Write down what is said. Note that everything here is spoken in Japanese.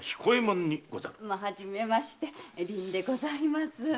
初めまして「凛」でございます。